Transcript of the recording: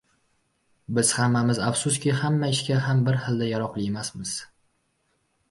Biz hammamiz, afsuski, hamma ishga ham bir xilda yaroqli emasmiz.